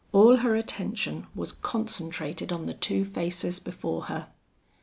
All her attention was concentrated on the two faces before her.